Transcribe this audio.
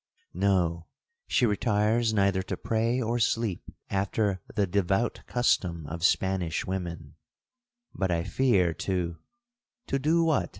No, she retires neither to pray or sleep, after the devout custom of Spanish women, but, I fear, to'— 'To do what?'